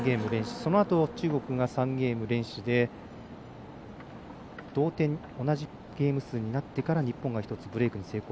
そのあと中国が３ゲーム連取で同じゲーム数になってから日本が１つブレークに成功。